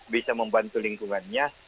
bisa membantu lingkungannya